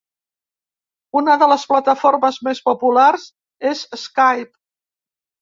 Una de les plataformes més populars és Skype.